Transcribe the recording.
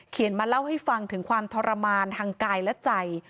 มาเล่าให้ฟังถึงความทรมานทางกายและใจ